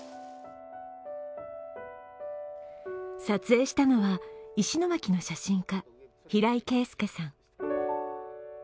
撮影したのは、石巻の写真家平井慶祐さん。